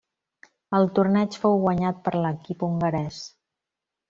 El torneig fou guanyat per l'equip hongarès.